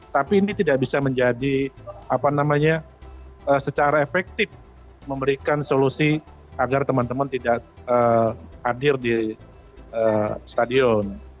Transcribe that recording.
tapi ini tidak bisa menjadi apa namanya secara efektif memberikan solusi agar teman teman tidak hadir di stadion